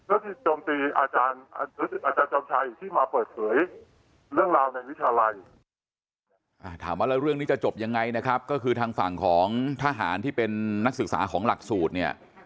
เอ้าถามว่าแล้วเรื่องนี้จะจบยังไงนะครับก็คือทางฝั่งของทหารที่เป็นนักศึกษาของหลักสูตรเนี่ย